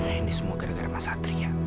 ini semua gara gara mas satri ya